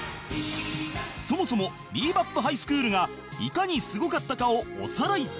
そもそも『ビー・バップ・ハイスクール』がいかにすごかったかをおさらい